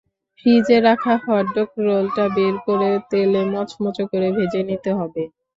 ফ্রিজে রাখা হটডগ রোলটা বের করে তেলে মচমচে করে ভেজে নিতে হবে।